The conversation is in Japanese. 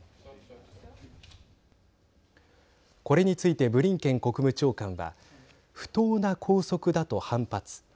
これについてブリンケン国務長官は不当な拘束だと反発。